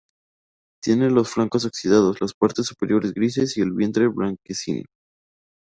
Tiene los flancos oxidados, las partes superiores grises y el vientre blanquecino.